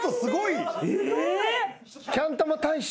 え！？